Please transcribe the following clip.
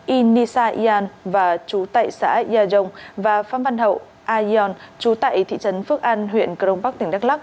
inisa ian và chú tại xã yà dông và pháp văn hậu aion chú tại thị trấn phước an huyện cờ đông bắc tỉnh đắk lóc